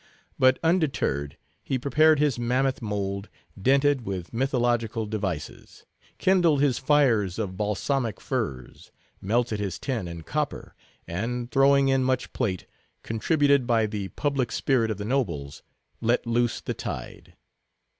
But undeterred, he prepared his mammoth mould, dented with mythological devices; kindled his fires of balsamic firs; melted his tin and copper, and, throwing in much plate, contributed by the public spirit of the nobles, let loose the tide.